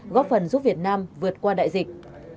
góp phần giúp việt nam vượt qua đại dịch